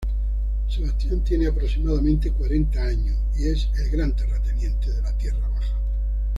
Sebastián tiene aproximadamente cuarenta años y es el gran terrateniente de la Tierra baja.